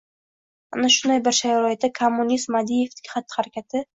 Ana shunday bir sharoitda, kommunist Madievning xatti-harakati